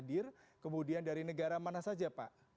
sebelum ada corona ya